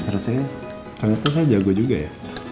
rese kangen kengen saya jago juga ya